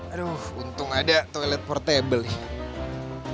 aduh untung ada toilet portable